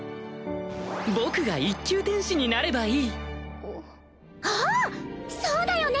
僕が１級天使になればいいああっそうだよね